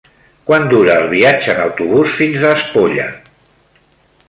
Quant dura el viatge en autobús fins a Espolla?